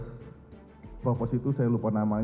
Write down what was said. saat dokter itu mengatakan ada beberapa bekas lubang tembakan